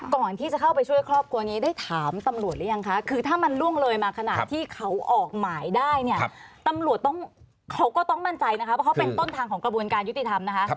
ก่อนที่จะเข้าไปช่วยครอบครัวนี้ได้ถามตำรวจหรือยังค่ะ